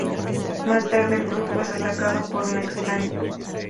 Más tarde, el grupo es atacado por un extraño.